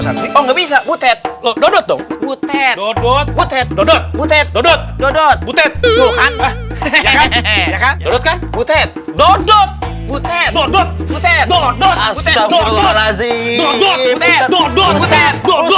santri oh nggak bisa butet dodot dong butet dodot butet dodot dodot butet dodot